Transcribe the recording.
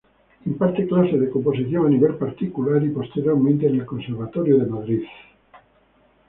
Imparte clases de composición a nivel particular y posteriormente en el Conservatorio de Madrid.